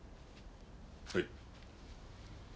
はい。